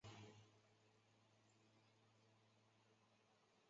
而在他的赛车车身上也能看到德国和毛里求斯两国的国旗图案。